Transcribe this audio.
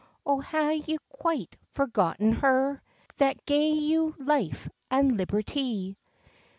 An hae ye quite forgotten her That gae you life an liberty?"